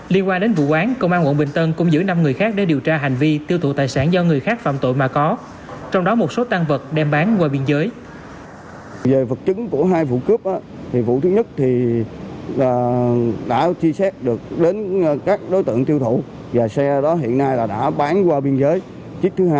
liên quan đến vụ quán công an quận bình tân cũng giữ năm người khác để điều tra hành vi tiêu thụ tài sản do người khác phạm tội mà có